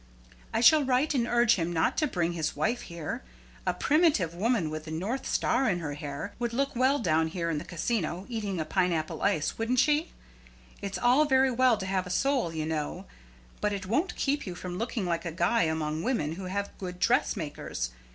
I shall write, and urge him not to bring his wife here. A primitive woman, with the north star in her hair, would look well down there in the Casino eating a pineapple ice, wouldn't she? It's all very well to have a soul, you know; but it won't keep you from looking like a guy among women who have good dressmakers.